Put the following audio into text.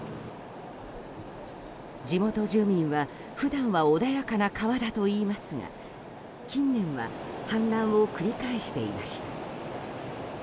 地元住民は普段は穏やかな川といいますが近年は氾濫を繰り返していました。